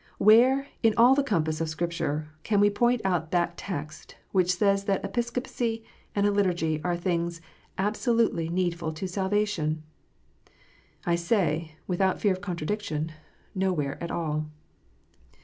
Where, in all the compass of Scripture, can we point out that text which says that Episcopacy and a Liturgy are things absolutely needful to salvation ? I say, without fear of con tradiction, nowhere at all.